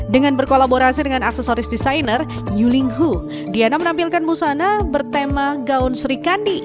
dengan berkolaborasi dengan aksesoris desainer yuling hu diana menampilkan busana bertema gaun serikandi